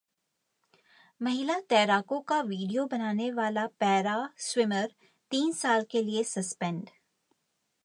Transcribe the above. महिला तैराकों का वीडियो बनाने वाला पैरा स्विमर तीन साल के लिए सस्पेंड